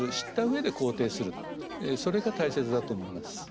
それが大切だと思います。